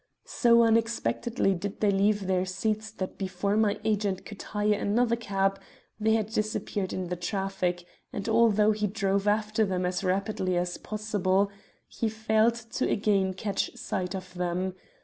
So unexpectedly did they leave their seats that before my agent could hire another cab they had disappeared in the traffic, and although he drove after them as rapidly as possible, he failed to again catch sight of them.